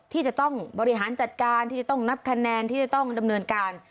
ที่จะต้องบริหารจัดการที่จะต้องนับคะแนนที่จะต้องดำเนินการ